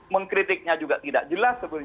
mengkritiknya juga tidak jelas